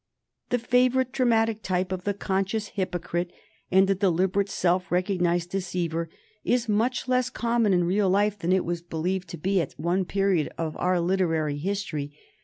The favorite dramatic type of the conscious hypocrite and the deliberate self recognized deceiver is much less common in real life than it was believed to be at one period of our literary history.